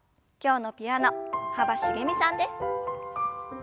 今日のピアノ幅しげみさんです。